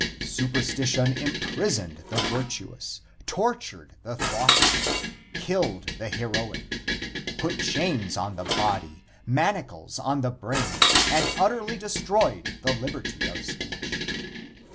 Superstition imprisoned the virtuous, tortured the thoughtful, killed the heroic, put chains on the body, manacles on the brain, and utterly destroyed the liberty of speech.